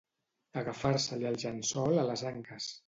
Agafar-se-li el llençol a les anques.